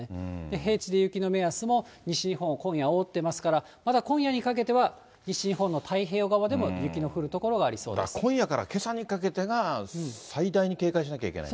平地で雪の目安も西日本、今夜、覆ってますから、また今夜にかけては、西日本の太平洋側でも雪の降る所がありそうだから、今夜からけさにかけてが、最大に警戒しなきゃいけない。